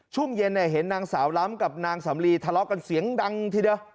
ช่วงเย็นเห็นนางสาวล้ำกับนางสำลีทะเลาะกันเสียงดังทีเดียว